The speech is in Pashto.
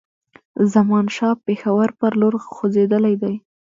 زمانشاه پېښور پر لور خوځېدلی دی.